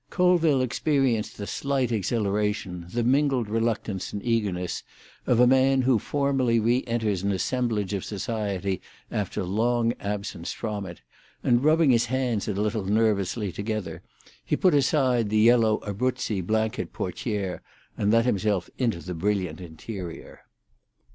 Colville experienced the slight exhilaration, the mingled reluctance and eagerness, of a man who formally re enters an assemblage of society after long absence from it, and rubbing his hands a little nervously together, he put aside the yellow Abruzzi blanket portière, and let himself into the brilliant interior.